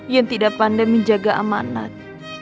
yang tidak pandai menjaga amanat